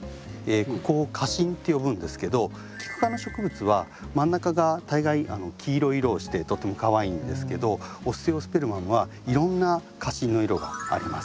ここを花芯って呼ぶんですけどキク科の植物は真ん中が大概黄色い色をしてとってもかわいいんですけどオステオスペルマムはいろんな花芯の色があります。